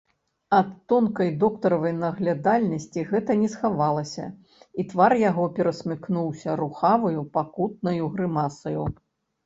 Ад тонкай доктаравай наглядальнасці гэта не схавалася, і твар яго перасмыкнуўся рухаваю, пакутнаю грымасаю.